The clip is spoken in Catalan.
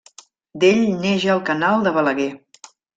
D'ell neix el Canal de Balaguer.